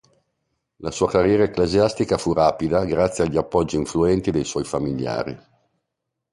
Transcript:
La sua carriera ecclesiastica fu rapida grazie agli appoggi influenti dei suoi familiari.